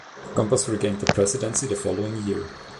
Gompers regained the presidency the following year.